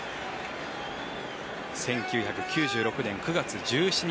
１９９６年９月１７日